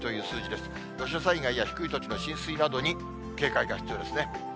土砂災害や低い土地の浸水などに警戒が必要ですね。